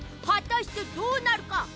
はたしてどうなるか！？